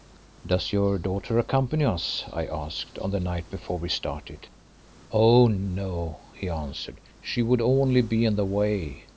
"Does your daughter accompany us?" I asked on the night before we started. "Oh! no," he answered, "she would only be in the way.